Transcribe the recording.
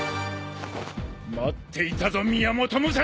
待っていたぞ宮本武蔵！